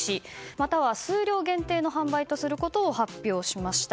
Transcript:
または数量限定の販売とすることを発表しました。